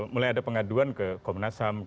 mulai ada pengaduan ke komnasam